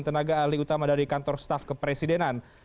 tenaga ahli utama dari kantor staf kepresidenan